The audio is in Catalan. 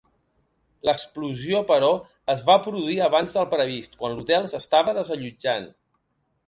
L'explosió, però, es va produir abans del previst, quan l'hotel s'estava desallotjant.